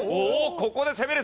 ここで攻める。